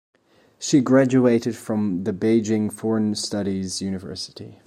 She graduated from the Beijing Foreign Studies University.